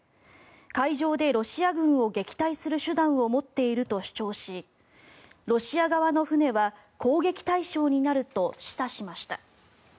海上でロシア軍を撃退する手段を持っていると主張しロシア側の船は攻撃対象になると示唆しました。